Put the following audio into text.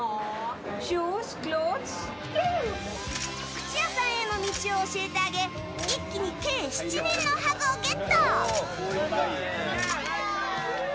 靴屋さんへの道を教えてあげ一気に計７人のハグをゲット！